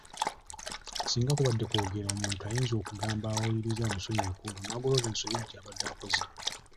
Singa kubadde kwogera omuntu oyinza okugamba abawuliriza bamusonyiweko olwo n’agolola ensobi gy’abadde akoze.